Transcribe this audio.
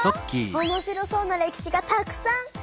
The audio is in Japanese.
おもしろそうな歴史がたくさん！